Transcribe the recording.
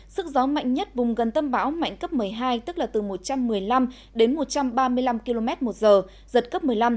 sức gió mạnh nhất vùng gần tâm bão mạnh cấp một mươi hai tức là từ một trăm một mươi năm đến một trăm ba mươi năm km một giờ giật cấp một mươi năm